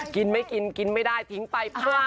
กินไม่กินกินไม่ได้ทิ้งไปพร่ำไม่ใช่